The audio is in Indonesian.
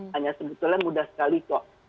hanya sebetulnya mudah sekali kok